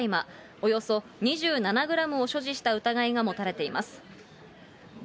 およそ２７グラムを所持した疑いが持たれています。